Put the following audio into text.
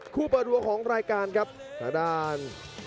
คู่เปอร์ดัวของรายการครับต่างด้าน